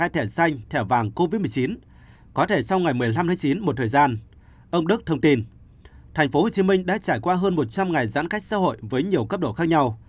thành phố hồ chí minh đã trải qua hơn một trăm linh ngày giãn cách xã hội với nhiều cấp độ khác nhau